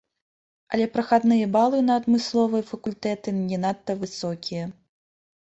Але прахадныя балы на адмысловыя факультэты не надта высокія.